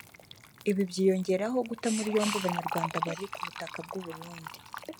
Ibi byiyongeraho guta muri yombi Abanyarwanda bari ku butaka bw’u Burundi